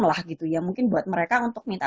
lah gitu ya mungkin buat mereka untuk minta